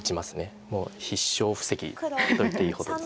もう必勝布石といっていいほどです。